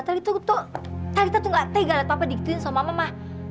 tali itu tuh tali itu tuh gak tega lah papa diikutin sama mama ma